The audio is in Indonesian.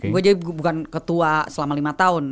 gue jadi bukan ketua selama lima tahun